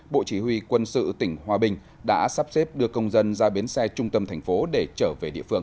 bộ chỉ huy quân sự tỉnh hòa bình đã sắp xếp đưa công dân ra biến xe trung tâm thành phố để trở về địa phương